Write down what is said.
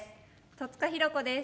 戸塚寛子です。